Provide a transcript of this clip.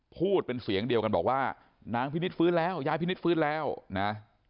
พูดเป็นเสียงเดียวกันบอกว่านางพินิศฟื้นแล้วยายพินิษฐ์ฟื้นแล้วนะ